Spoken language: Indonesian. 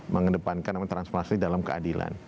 mengedepankan transplasi dalam keadilan